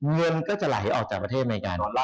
เงินก็จะไหลออกจากประเทศอเมริกัน